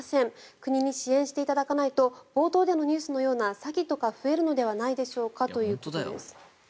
国に支援していただかないと冒頭でのニュースのような詐欺とか増えるのではないのでしょうかということです。